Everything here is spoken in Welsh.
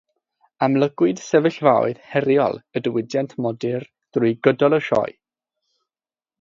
Amlygwyd sefyllfaoedd heriol y diwydiant modur drwy gydol y sioe.